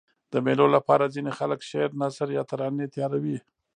د مېلو له پاره ځيني خلک شعر، نثر یا ترانې تیاروي.